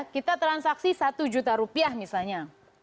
kita transaksi satu juta rupiah misalnya